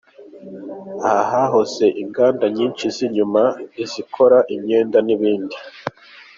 Aha hahoze inganda nyishi z’ibyuma, izikora imyenda n’ibindi.